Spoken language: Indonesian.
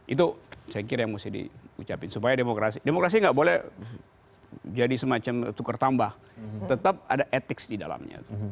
itu saya kira yang mesti diucapin supaya demokrasi demokrasi gak boleh jadi semacam tukar tambah tetap ada etik di dalamnya